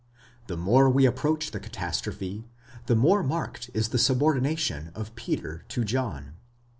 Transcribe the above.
The more we approach the catastrophe, the more marked is the subordination of Peter to John.